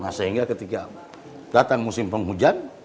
nah sehingga ketika datang musim penghujan